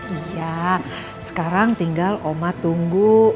iya sekarang tinggal oma tunggu